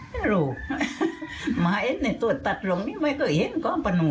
ไม่รู้มะเอ็ดนี่ตัวตัดลงนี้ไม่เคยเห็นก้องปะหนู